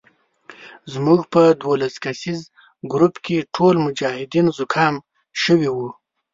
زموږ په دولس کسیز ګروپ کې ټول مجاهدین زکام شوي وو.